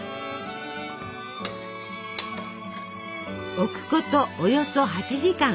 置くことおよそ８時間。